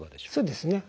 そうですね。